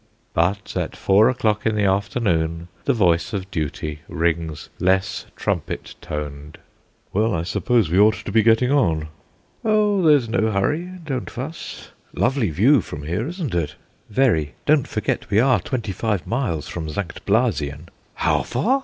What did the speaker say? But at four o'clock in the afternoon the voice of Duty rings less trumpet toned: "Well, I suppose we ought to be getting on." "Oh, there's no hurry! don't fuss. Lovely view from here, isn't it?" "Very. Don't forget we are twenty five miles from St. Blasien." "How far?"